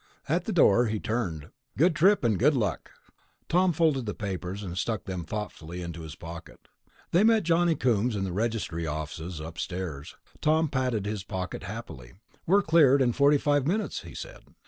At the door he turned. "Good trip, and good luck." Tom folded the papers and stuck them thoughtfully into his pocket. They met Johnny Coombs in the Registry offices upstairs; Tom patted his pocket happily. "We're cleared in forty five minutes," he said.